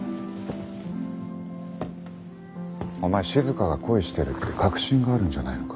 お前しずかが恋してるって確信があるんじゃないのか？